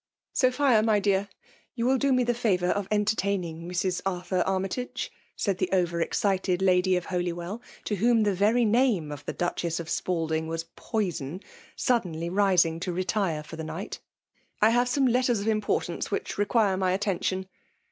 .'* Sophia^ my dear^ you will do me the favour of entertainii^g Mrs. Arthur Armytage/^ said the oyer excited Lady of Holywell^ to whom the very name of the Duchess of Spalding was poi^n> suddenly rising to retire for the night. I huve some letters of importance which require my attention.